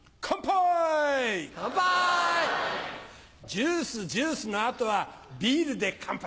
ジュースジュースの後はビールで乾杯。